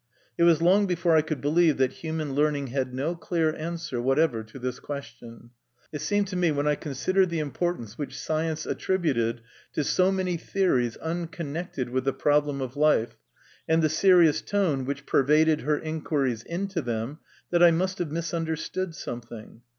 It was long before I could believe that human learning had no clear answer whatever to this question. It seemed to me, when I con sidered the importance which science attributed to so many theories unconnected with the problem of life, and the serious tone which pervaded her inquiries into them, that I must have misunderstood something.